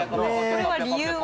これは理由は？